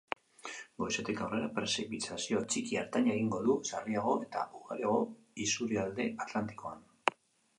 Goizetik aurrera, prezipitazio txiki-ertaina egingo du, sarriago eta ugariago isurialde atlantikoan.